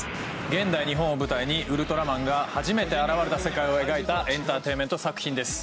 現代日本を舞台にウルトラマンが初めて現われた世界を描いたエンターテインメント作品です。